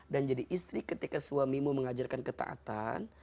dan jadi istri ketika suamimu mengajarkan ketaatan